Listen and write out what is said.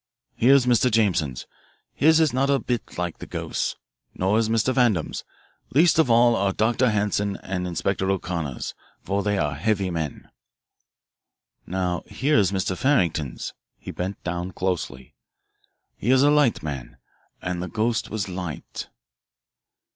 "Here is Mr. Jameson's his is not a bit like the ghost's. Nor is Mr. Vandam's. Least of all are Dr. Hanson's and Inspector O'Connor's, for they are heavy men. "Now here is Mr. Farrington's" he bent down closely, "he is a light man, and the ghost was light."